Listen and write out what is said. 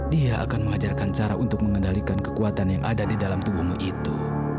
dia akan mengajarkan cara untuk mengendalikan kekuatan yang ada di dalam tubuhmu itu